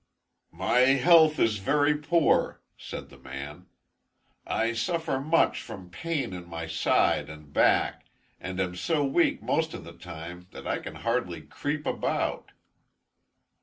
"My health is very poor," said the man. "I suffer much from pain in my side and back, and am so weak most of the time, that I can hardly creep about."